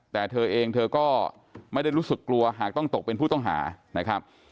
แต่เธอเองเธอก็ไม่ได้รู้สึกกลัวหากต้องตกเป็นผู้ต้องหานะครับ